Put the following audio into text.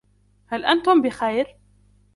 هل أنتم بخير؟